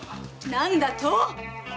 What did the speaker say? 何だと？